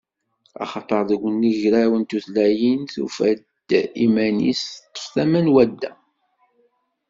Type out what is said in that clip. Axaṭer deg unagraw n tutlayin, tufa-d iman-is teṭṭef tama n wadda.